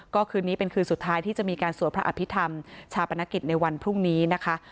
ก็คืนนี้เป็นคืนสุดท้ายที่จะมีการสวดพระอภิษฐรรมชาปนกิจในวันพรุ่งนี้นะคะ